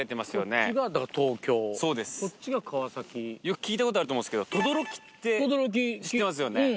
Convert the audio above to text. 聞いたことあると思うんですけど等々力って知ってますよね？